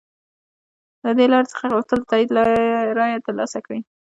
له دې لارې څخه یې غوښتل د تایید رایه تر لاسه کړي.